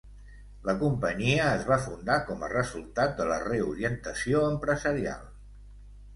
La companyia es va fundar com a resultat de la reorientació empresarial.